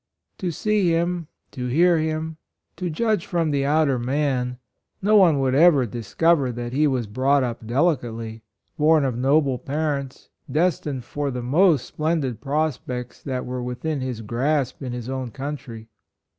To see him — to hear him — to judge from the outer man, no one would ever discover that he was brought up delicately — born of no ble parents — destined for the most splendid prospects that were within his grasp in his own country.